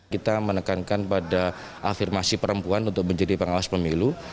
kita menekankan pada afirmasi perempuan untuk menjadi pengawas pemilu